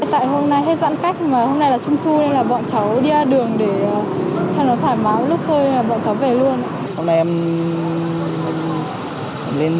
tại hôm nay hết giãn cách